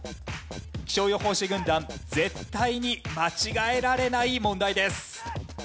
気象予報士軍団絶対に間違えられない問題です。